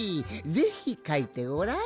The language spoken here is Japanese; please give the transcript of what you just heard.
ぜひかいてごらん。